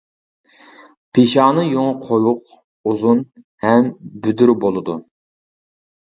پېشانە يۇڭى قويۇق ئۇزۇن ھەم بۈدۈر بولىدۇ.